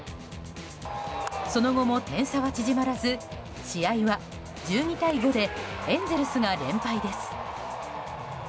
その後も点差は縮まらず試合は１２対５でエンゼルスが連敗です。